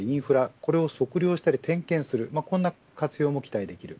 これを測量したり点検するこんな活用も期待できる。